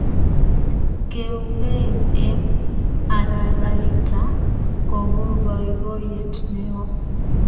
Keungei eng araraita ko po baiboiyet ne oo